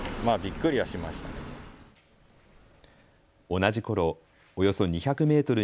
同じころ、およそ２００メートル